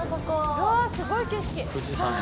うわっすごい景色。